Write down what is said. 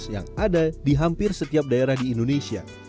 yang ada di hampir setiap daerah di indonesia